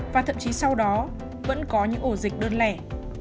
và thậm chí sau đó vẫn có những ổ dịch đơn lẻ